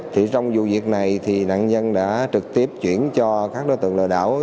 trong vụ việc này nạn nhân đã trực tiếp chuyển cho các đối tượng lợi đảo